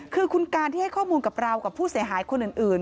คือคุณการที่ให้ข้อมูลกับเรากับผู้เสียหายคนอื่น